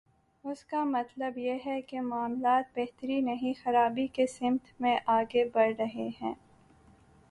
اس کا مطلب یہ ہے کہ معاملات بہتری نہیں، خرابی کی سمت میں آگے بڑھ رہے ہیں۔